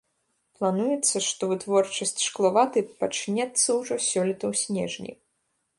Плануецца, што вытворчасць шкловаты пачнецца ўжо сёлета ў снежні.